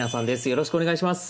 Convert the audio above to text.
よろしくお願いします。